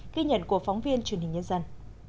ghi nhận của phóng viên truyền hình nhân dân